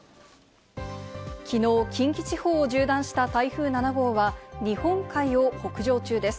きのう、近畿地方を縦断した台風７号は日本海を北上中です。